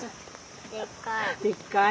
でっかい。